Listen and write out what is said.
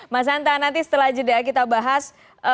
mas anta nanti setelah jda kita bahas